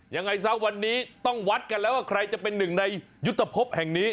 ยังไงซะวันนี้ต้องวัดกันแล้วว่าใครจะเป็นหนึ่งในยุทธภพแห่งนี้